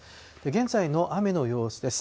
現在の雨の様子です。